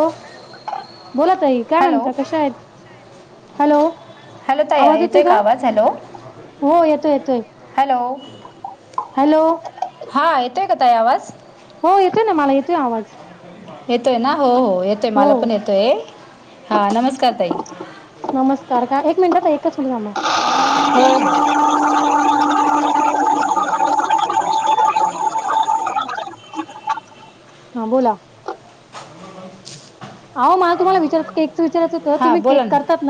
हो बोला तई काय हॅलो म्हणत कशा आहेत हॅलो हॅलो ताया येतोय एक का आवाज हॅलो हो येतोय येतोय हॅलो हॅलो हा येतोय का तई आवाज हो येतोय ना मला येतोय आवाज येतोय ना हो हो येतोय मला पण येतोय हा नमस्कार ताई नमस्कार का एक मिनिटातचा एकच म्ह हो हो [unintelligible] हा बोला अहो मला तुम्हाला विचारत केकचं विचारायचं होतं हा तुम्ही केक बोला ना करतात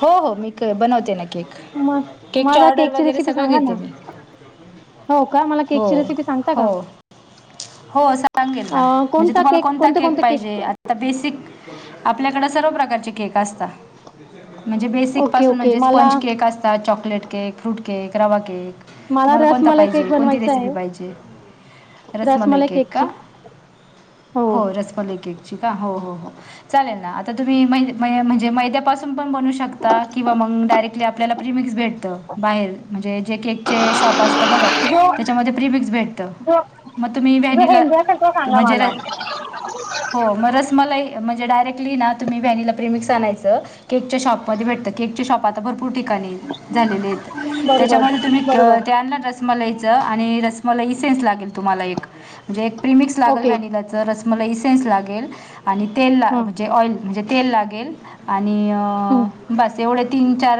हो हो मी बनवते ना केक मग केकच्या माझा ऑर्डर केकची वगैरे रेसिपी सगळं सांगा ना घेते मी हो का मला हो केकची रेसिपी सांगता का? हो हो सांगेल ना अ, म्हणजे, कोणता तुम्हाला केक कोणता कोणते केक कोणते पाहिजे. आता बेसिक आपल्याकडे सर्व प्रकारचे केक असतात. म्हणजे बेसिक ओके पासून ओके म्हणजे मला स्पंज केक असतात, चॉकलेट केक, फ्रूट केक, रवा केक मला तुम्हाला कोणता रसमलाई केक पाहिजे, कोणती बनवायचा रेसीपी आहे पाहिजे. रसमलाई केक का? हो होय रसमलई केकची का हो हो चालेल ना. तुम्ही म्हणजे मैद्यापासून बनवू शकता किंवा मग डायरेकटली आपल्याला प्रीमिक्स भेटत बाहेर म्हणजे जे की केक शॉप असतो बघा, जो त्याच्यामध्ये प्रिमिक्स भेटत. जो मग तुम्ही जो वॅनीला हेल्दी असेल तो सांगा म्हणजे र मला हो मग रसमलई म्हणजे डायरेक्टली ना तुम्ही व्हनिला प्रिमिक्स आणायचं केकच्या शॉपमध्ये भेट केकच्या शॉप आता भरपूर ठिकाणी झालेलेत बरोबर त्यामध्ये तुम्ही बरोबर रसमलई आणि रसमलई ईसेन्स लागेल तुम्हाला एक म्हणजे एक प्रमिक्स लागल ओके. व्हनिलाच. रसमलाई इसेन्स लागेल आणि तेल हां. म्हणजे ऑल म्हणजे तेल लागेल आणि हं. आणि बस एवढेच. तीन चार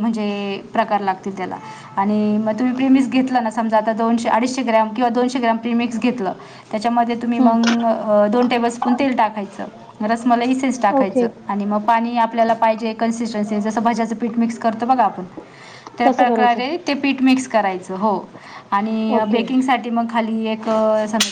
म्हणजे प्रकार लागतील त्याला आणि मग तुम्ही प्रिमिक्स घेतला ना समजा आ दोनशे अडीचशे ग्रॅम किंवा दोनशे ग्राम प्रीमिक्स घेतलं त्याच्यामध्ये तुम्ही हं. मग दोन टेबल स्पून तेल टाकायचं. रस मलाई इसेस ओके. टाकायचं आणि मग पाणी आपल्याला पाहिजे कन्सिस्टन्सी जसं भाज्याचं पीठ मिक्स करतो. [unintelligible] तसं करायचं. ते पीठ मिक्स करायच हो. आणि ओके. बेकिंगसाठी मग खाली एक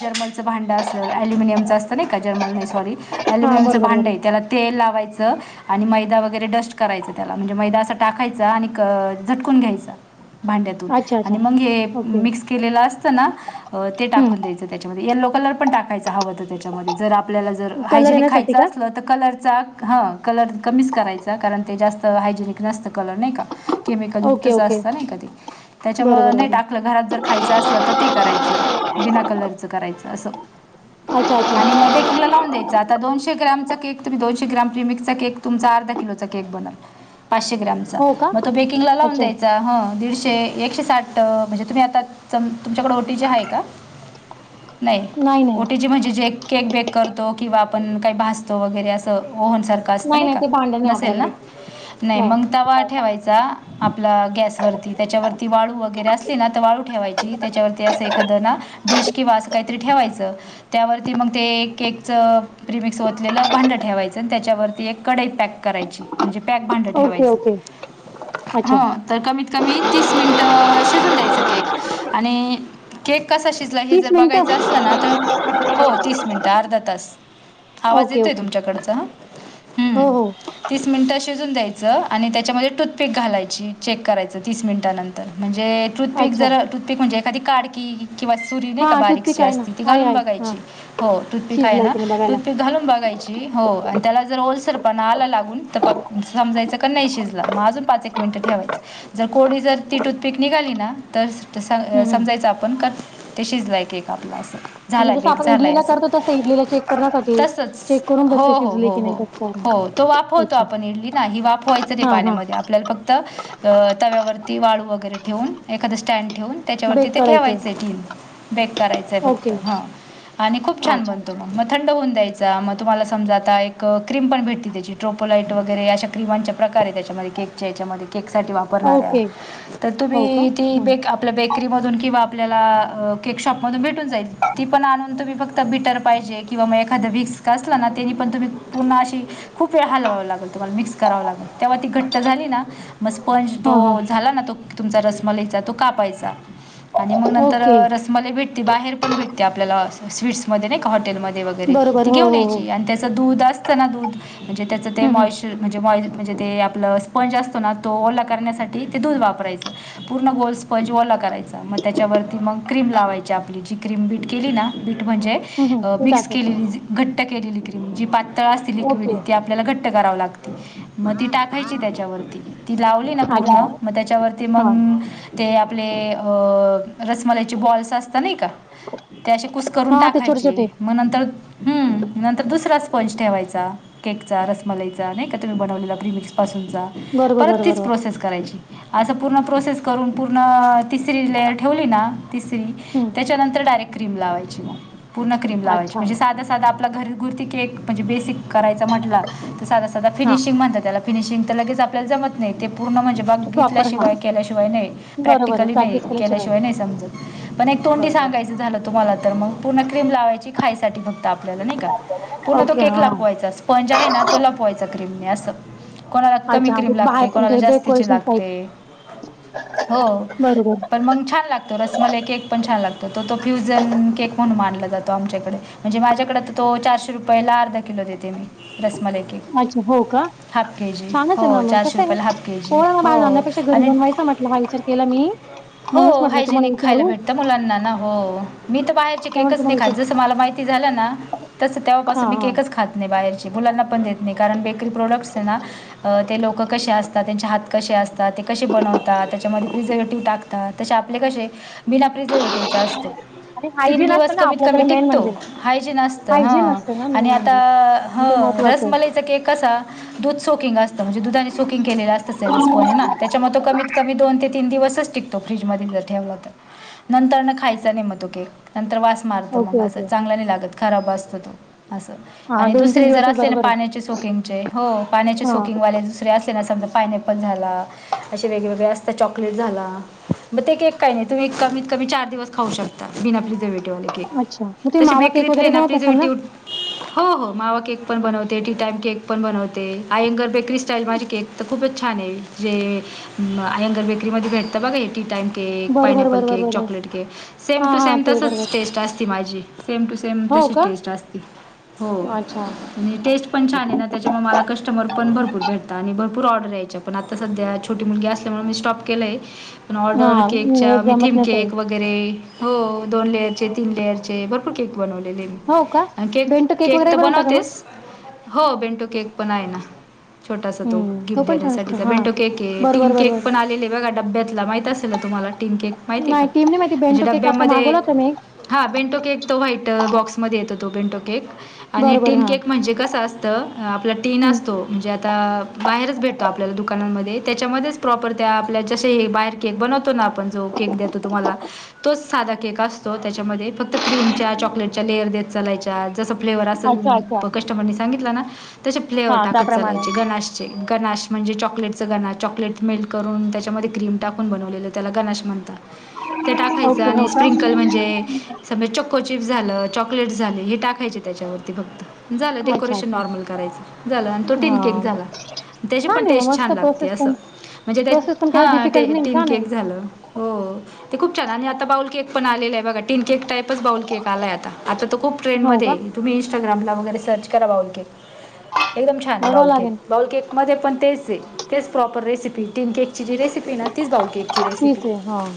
जर्मलं भांड असल अलुमिनियमचं असत नाही का जर्मल नाही सॉरी हां. अल्युमियमचं बरोबर, भांडं बरोबर. आहे. तेल लावायच. आणि मैदा वगैरे डस्ट करायच त्याला म्हणजे मैदा असा टाकायचा आणि झटकून घ्यायचा. भांड्यातून अच्छा, अच्छा. आणि मग हे ओके. मिक्स केलेलं असतं ना ते हं. टाकून द्यायचं त्याच्यामध्ये, यलो कलर पण टाकायचं हवं तर त्याच्यामध्ये जर आपल्याला जर कलर हायजेनिक येण्यासाठी खायचं का? असलं तर कलरचा. हा कलर कमीच करायचा कारण ते जास्त हायजेनिक नसतं कलर नाही का. केमिकल ओके, युक्तच ओके. असत ना का बरं, त्याच्यामुळ बरं, नाही बरं. टाकलं घरात जर खायचं असलं तर ते करायचं बिना कलरच करायचं असं. अच्छा, आणि अच्छा. मग बेकिंग लावून द्यायच आता दोनशे ग्रॅमचा केक तुम्ही दोनशे ग्राम प्रिमिक्स चा केक तुमचा अर्धा किलोचा केक बनल. पाचशे ग्रामचा हो का? मग तो बेकिंग लावून अच्छा. द्यायचा ह, दीडशे एकशे साठ म्हणजे तुम्ही आता तुमच्याकडे ओटी जी आहे का? नाही ओटीचे म्हणजे जे केक बेक करतो किंवा आपण काही भासतो वगैरे असं. ओहन सारखं असत नाही का ते भांडं नाही नसेल ना आपल्याकडे. नाही मग तवा ठेवायचा आपला गॅसवररती त्याच्यावरती वाळू वगैरे असले ना तर वाळू. ठेवायची त्याच्यावरती अस एखाद ना डिश किंवा असं काहीतरी ठेवायचं त्यावरती मग ते केकच. प्रिमिक्सओतलेलं भांडं ठेवायचं आणि त्याच्यावरती एक कढाई पॅक करायची म्हणजे, पॅक भांड ओके, ठेवायचं. ओके. ह अच्छा. तर कमीत कमी तीस मिनिट शिजून द्यायचा केक. केक कसा शिजला हे जर बघायचं मिनिटं? असलं ना तर हो तीस मिनिटं, अर्धा तास. आवाज ओके, येतोय ओके. तुमच्याकडचा, हो, हो. तीस मिनिट शिजवुन द्यायच आणि त्याच्यामध्ये टूथपेक घालायची चेक करायच तीस मिनिट नंतर. म्हणजे टूथपिक अच्छा. जर टूथपिक म्हणजे एखादी काडकी किंवा सुरी नाही का, हां. टूथपिक बारीकशी आहे ना. असती ती आहे, घालून आहे. हां. बघायची हो टूथपिक आहे शिजलाय ना की नाही बघायला. टूथपिक घालून बघायची. त्याला, जर ओलसरपणा आला लागून समजायच नाही शिजल अजून पाच एक मिनिटं ठेवायचं. कोरडी जर ती टूथपीक निकाली, ना तर तर हं, स हं. समजायचं आपण का ते शिजलाय केक आपला. झालाय म्हणजे जसं बेक आपण झालाय इडलीला अस करतो तसं इडलीला चेक करण्यासाठी तसच चेक करून हो बघतो हो शिजली हो की नाही हो कसं काय. हो. तो वातो अच्छा. आपण इली ना वापवायच र हा हा पाण्या आपल्याला फक्त तव्यावरती वाळू. गैरेवून एखाद स्टँ ठेून त्याच्यावरती बेक ते करायचंय ठेवायचं टि बेक करायचंय ओके फक्त हा. आणि खूप छान अच्छा बनतो अच्छा मग मग थंड होऊन द्यायच. मग तुम्हाला समजा आता एक क्रीम पण भेटते त्याची ट्रोपोलाईट वगैरे अशा क्रीमांच्या प्रकार आहे त्याच्यामध्ये याच्यामध्येक सा वापरणाऱ्या ओके तर हो का तुम्ही त हं आपल्या बेकरीमधून किंवा आपल्याला केकशॉप मधून भेटून जाईल ती पण आणून तुम्ही फक्त बिटर पाहिजे किंवा मग एखादा विक्स असला ना त्यांनी पण तुम्ही पूर्ण अशी खूप वेळ हलवाव लागल. तुम्हाला मिक्स करावं लागल तेव्हा ती घट्ट झाली ना मग स्पंज हा हा तो झाला ना तो तुमचा रसम लियचा तो का पाहायचा. आणि मग नंतर ओके रसमाला भेटते बाहेर पण भेटते आपल्याला स्वीट्स मध्ये नाही का हॉटेलमध्ये बरोबर हो हो हो हं हं [unintelligible] आपलं स्पंज असतो ना तो ओला करण्यासाठी ते दूध वापरायचं पूर्ण गोल स्पंज ओला करायच. मग त्याच्यावरती मग क्रीम लावायची आपली जी क्रीम बीट केली ना बीट हं हं ते टाका [unintelligible] ओके लड आपल्याला घट्ट कराव लागते मग ती टाकायची त्याच्यावर ती लावली. अच्छा पूर्ण मग त्याच्यावरती हा मग ते आपले रसमलाचे बॉल्स असतात ना का? ते अशी कुस करून हा ते छोटे टाकायचे छोटे मग नंतर हम्म नंतर दुसरा स्पंज ठेवायचा. केकचा रसमलाईचा नाही का तुम्ही बनवलेला प्रिमिक्सपासूनचा बरोबर परत बरोबर तीच बरोबर प्रोसेस करायची. असं पूर्ण प्रोसेस करून पूर्ण तिसरी लेयर ठेवली ना तिसरी हं त्याच्यानंतर डायरेक्ट क्रीम लावायची मग पूर्ण क्रीम लावायची अच्छा म्हणजे साधा साधा आपला घरघुरती की एक म्हणजे बेसिक करायचं म्हटलं तर साधा साधदा हा फिनिशिंग म्हणतात त्याला फिनिशिंग तर लगेच आपल्याला जमत नाही ते पूर्ण म्हणजे प्रॉपर हा बघितल्याशिवाय केल्याशिवाय नाही. बरोबर आहे प्रॅक्टिकली नाही प्रॅक्टिस केल्याशिवाय नाही समजत पण एक तोंडी बरोबर सांगायचं झालं तुम्हाला तर मग पूर्ण क्रीम लावायची खायसाठी बघता आपल्याला नाही का? ओ पुन्हा तो केक लापवायचा स्पंज आहे ना तो लपवायचा क्रीम कोणाला कमी अच्छा ते क्रीम लागते बाहेर कोणाला म्हणजे जास्तीची डेकोरेशन टाईप लागते. हो बरोबर पण मग छान लागतो रसमलाइ केक पण छान लागतो. तर तो तो फ्युझन केक म्हणून मानला जातो आमच्याकडे म्हणजे माझ्याकडे तर तो चारशे रुपयाला अर्धा किलो आहे. क ते मी रसमलाई केक अच्छा हो का? हाफ के जी छानच हो आहे ना मग चारशे कसं रुपयाला आहे हाफ के जी कोण बा हो नाण्यापेक्षा घरी आणि बऊन व्हायचं म्हटलं ह विचार केला मी हो म्हणूनच म्हटलं तुम्हाला हायजेनिक खायला विचारू भेटत मुलांना ना हो मी तर बाहेरचे त्यामुळे केकच तुम्हाला नाही खा विचार जसं मला माहिती झा ना तस हा तेव्हापासून मी हा केकच खात नाही बाहेर. ंना पण देत नाही कारण बेरी प्रोडक् ना ते लोक कसे असतात त्यांचे हात कसे असतात. ते कसे बनवतात त्याच्यामध्ये प्रिझर्वेटिव्ह टाकतात तसे आपले कसे बिना प्रिझर्वेटिव्हचा असतो. आणि तीन हायजीन दिवस असतं ना कमीत कमी आपल्याकडे मेन टिकतो म्हणजे हायजीन असत ह हायजीन असतं ना मेन आणि आता. म्हणजे ते महत्त्वाचं आहे रसमलाईचा कसा दूध सोकिंग असतं म्हणजे दुधाने सोकिंग केलेलं असत त्याच्या कमीत कमी दो तीन दिवस टिकतो नंतर खायचा नाही. मारत मग ओके अस ओके चांगला नाही लागत खराब असत तो असं हा आणि दोन तीन दुसरे दिवस जर असले ना बरोबर आहे पाण्याचे चोकिंगचे हो पाण्याचे हा चोकिंग वाले दुसरे अस. त्यांना समजा पायनॅपल झाला असे वेगवेगळे असत चॉकलेट झाला. मग ते एक काही नाही तुम्ही कमीत कमी चार दिवस खाऊ शकता बिन आपली ज वेळ अच्छा मग ते मावा केक बेरीत वगैरे बनवत असाल ना मावा [unintelligible] पण बनवते टी टाइम केक पण बनवते, आयंगर बेकरी स्टाईल माझे केक तर खूपच छान! आहेे म्हणजे अयंगर बेकरीमध्ये भेटत बघा ए टी टाइम. केक बरोबर पायनॅपल बरोबर केक, बरोबर चॉकलेट केक सेम हा टू हा सेम ते बरोबर तसच टेस्ट असती माझी सेम टू सेम हो तशी का टेस्ट असती. हो, अच्छा आणि टेस्ट पण छान आहे ना, त्याच्यामुळे मला कस्टमर पण भरपूर भेटत आणि भरपू भरपूर ऑर्डर यायच्या, पण आता सध्या छोटी मुलगी असल्या मुळे मी स्टॉप केलं आहेे. पण हा ऑर्डर हे केकच्या जमत मिथिम नाही सगळं केक वगैरे हो, दोन लेअरचे तीन लेअरचे भरपूर केक बनवलेले हो का हेत आणि केक- बेंटो केक वगैरे तर बनवता का मग बनवतेच हो बेंटो केक पण आहे ना. छोटासा तो हम्म गिफ्ट पण छान देण्यासाठी असतो तर हा बेंटो के ये. टिन बरोबर केक बरोबर पण आलेले आहे बघा डब्यातला माहित असेल ना, तुम्हाला टीन केक माहिती आहे का? नाही टीम नाही माहिती म्हणजे बेंटो केक आता डब्यामध्ये मागवला होता मी एक हा बेंटो केक तो व्हाईट बॉक्समध्ये येतो तो बेंटो केक. आणि बरोबर टीन हा केक म्हणजे कस असतं? आपला टीन हम्म असतो म्हणजे आता बाहेरच भेटतो आप आपल्याला दुकानांमध्ये त्याच्यामध्येच प्रॉपर त्या आपल्या जसे बाहेर केक बनवतो ना आपण जो केक देतो, तुम्हाला तोच केक असतो, त्याच्यामध्ये फक्त क्रीमच्या चॉकलेटच्या लेअर देत चालायच्या जसं, फ्लेवर अच्छा अच्छा असलं कस्टमरनी सांगितलं ना तसे फ्लेवर हा टाकत त्याप्रमाणे चलायचे, गणाश चे गणाश म्हणजे चॉकलेट च गणाश चॉकलेट मेल्ट करून त्या त्याच्यामध्ये क्रीम टाकून बनवलेल, त्याला गनाश म्हणतात, ते टाकायचे ओके आणि हो का स्प्रिंकर म्हणजे चिक्कू चिप्स झालं चॉकलेट झाले हे टाकायचे त्याच्यावरती फक्त. झालं अच्छा डेकोरेशन अच्छा नॉर्मल करायचं झालं, आणि तो टिन केक हां, झाला त्याची पण छान आहे मग टेस्ट मस्त छान! लागते. प्रोसेस असं. पण म्हणजे, तेच प्रोसेस पण काही हा डिफिकल्ट नाही टीन छान आहे. केक झालं हो ते खूप छान! आणि आता बाऊल केक पण आले आहे बघ टिनक टाईपच बाउल केक आलाय, आता आता खूप हो ट्रेंडमध्ये का? आहे तुम्ही इस्टाग्रामला वगैरे सर्च करा बाऊल केक एकदम छान बघावं बाऊल केक लागेल. बाऊल केक मध्ये पण तेच आहे तेच प्रॉपर रेसिपी टिन केकची जी रेसिपी ती ना तिच बाऊल केकची रेसिपी. फीच आहे हां.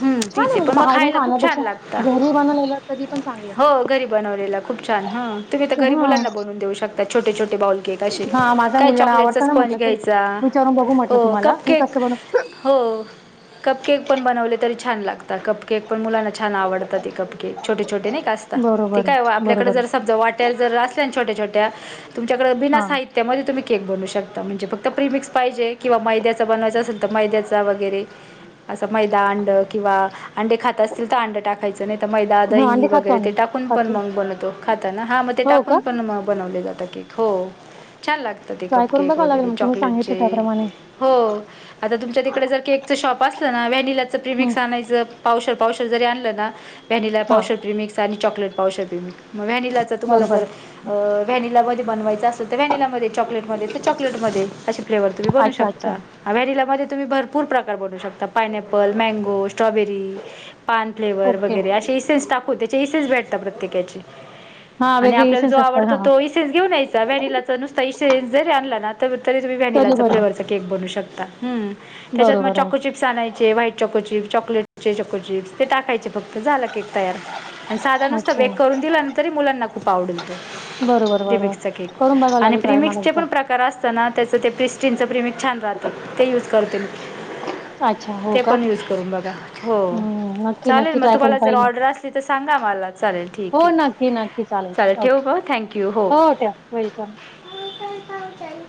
हम छान तीच आहे आहेे, म्हणजे पण मग बाहेरून खायला खूप छान! खाण्यापेक्षा लागत घरी बनवलेलं कधी पण चांगलं. आहे. हो घरी बनवलेला खूप छान. छान ह तुम्ही तर घरी हां, मुलांना बनवून देऊ शकता, छोटे छोटे बाऊल केक असे हां माझ्या काय मुलग्याला चॉकलेटचा आवडतं ना स्पंज म्हटलं ते घ्यायचा. चा विचारून बघू म्हटलं हो, तुम्हाला कप हे केक कसं बनव हो कप केक पण बन तरी छान लागता कप केक पण मुलांना छान आवडतात कप केक छोटे छोटे असत बरोबर काय आहे, आपल्याकडे बरोबर आहे. जर समजा वाट्या जर असल्या छोट्या छोट्या तुमच्याकडें बिना हां, साहित्याम ध्ये तुम्ही केक बनू शकता, म्हणजे फ क्त तर प्रिमिक्स पाहिजेत, किंवा मैद्याच बनवायच असेल तर मैद्याचा वगैरे. असं मैदा अंड किंवा अंडे खात असतील, तर अंड टाकायच. नाही, तर मैदा हां दही अंडी खातो वगैरे ते आम्ही टाकून पण खातो. मग बनवतो, खाताना हां मग ते हो का? टाकून पण म बनवले जातं केक. हो, छान! लागत ते ट्राय कप करून केक बघावं लागेल वगैरे. मग तुम्ही चाकलेट चे सांगितलं त्याप्रमाणे. हो, आता तुमच्या तिकडे जर केकचं शाँप असलं ना व्हेनिला हं, प्रेमिक्स आणायच पावशर पावशर जरी आणलं ना, व्हॅनिला हां पावशर प्रिमिक्स आणि चॉकलेट पावशर प्रिमिक्स मग व्हॅनिला तुम्हाला बरोबर. जर व्हॅनिलामध्ये बनवायचं व्हॅनिला मध्ये चॉकलेट मध्ये तर चॉकलेट म अशी फ्लेवर तुम्ही बनू अच्छा, अच्छा. शकता, व्हॅनिला मध्ये तुम्ही भरपूर प्रकार बनू शकता, पायनॅपल, मँगो, स्ट्रॉबेरी. पान फ्लेवर ओके. वगैरे असे इन्सेस टाकून त्याचे इसेस भेटता प्रत्येकाचे. हां, आणि वेगळे आपल्याला जो इसेन्स असतात आवडतो, हां, तो इन्सेेस घेऊन यायचा व्हॅनिलाचा नुसता इन्सेेस जरी आणला ना? तरी तुम्ही तर्री व्हॅनिलाचा बरोबर. फ्लेवरचा केक बनू शकता, हम त्याच्यात मग बरोबर चॉको हां, चिप्स आणायचे व्हाईट चॉकोची चॉकलेट चिप्स हे टाकायचे फक्त झाला केक तयार आणि साधा नुसता अच्छा. बेक करून दिला ना तरी मुलांना खूप आवडल बरोबर ते बरोबर प्रिमिक्सचा केक करून बघावं आणि लागेल ट्राय मला प्रिमिक्सचे एकदा पण प्रकार असत ना त्याचं ते प्रिस्टीनचं प्रेमिक्स छान राहतं, ते यूज करते मी. अच्छा हो ते का पण युज करून बघा हो हम्म नक्की चालेल, नक्की मग ट्राय करून तुम्हाला जर पाहिन ऑर्डर असली तर सांगा मला. चालेल ठीक हो ये नक्की नक्की चालेल ठेवू ओके का थँक्यू हो. ठेव वेलकम [unintelligible]